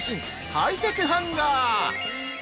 ハイテクハンガー。